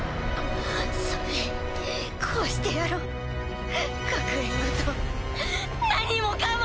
ソフィ壊してやろう学園ごと何もかも！